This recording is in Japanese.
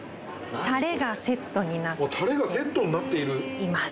もうタレがセットになっているいます